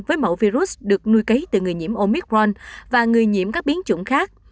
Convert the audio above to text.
với mẫu virus được nuôi cấy từ người nhiễm omicron và người nhiễm các biến chủng khác